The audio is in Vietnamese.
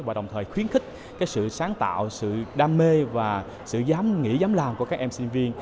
và đồng thời khuyến khích sự sáng tạo sự đam mê và sự dám nghĩ dám làm của các em sinh viên